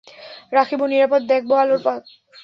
রাখিব নিরাপদ, দেখাবো আলোর পথ।